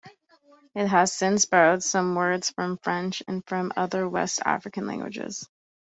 It has since borrowed some words from French and from other West African languages.